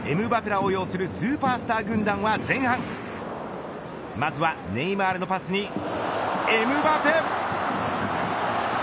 らを擁するスーパースター軍団は、前半まずはネイマールのパスに、エムバペ。